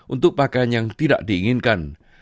untuk pakaian yang tidak diinginkan